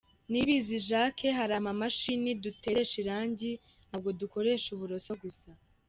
Niyibizi Jacques “ Hari amamashini duteresha irangi , ntabwo dukoresha uburoso gusa.